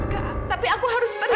kak tapi aku harus pergi